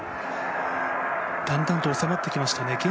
だんだんと収まってきましたね。